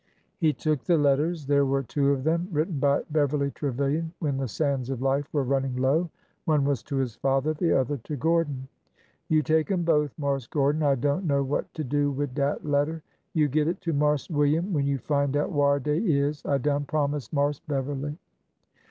He took the letters— there were two of them— written by Beverly Trevilian when the sands of life were running low. One was to his father— the other to Gordon. You take 'em both, Marse Gordon. I don't know what to do wi' dat letter. You git it to Marse William when you find out whar dey is. I done promise Marse Beverly."